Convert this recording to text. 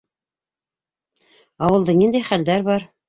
Ауылда ниндәй хәлдәр бар?